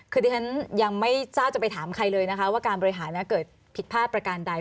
คือดิฉันยังไม่ทราบจะไปถามใครเลยนะคะว่าการบริหารเกิดผิดพลาดประการใด